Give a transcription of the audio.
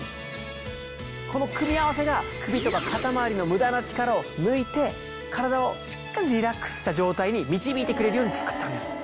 この組み合わせが首とか肩周りの無駄な力を抜いて体をしっかりリラックスした状態に導いてくれるように作ったんです。